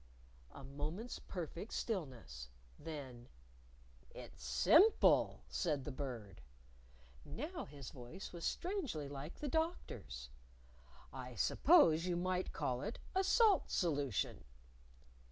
A moment's perfect stillness. Then, "It's simple," said the Bird. (Now his voice was strangely like the Doctor's.) "I suppose you might call it a salt solution."